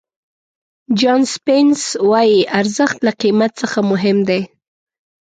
جان سپینس وایي ارزښت له قیمت څخه مهم دی.